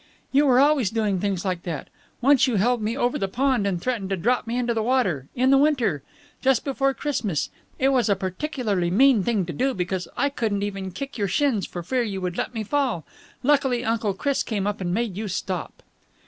"You were always doing things like that. Once you held me over the pond and threatened to drop me into the water in the winter! Just before Christmas. It was a particularly mean thing to do, because I couldn't even kick your shins for fear you would let me fall. Luckily Uncle Chris came up and made you stop."